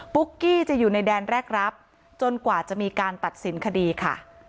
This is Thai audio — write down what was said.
กี้จะอยู่ในแดนแรกรับจนกว่าจะมีการตัดสินคดีค่ะ